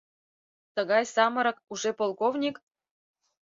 — Тыгай самырык — уже полковник?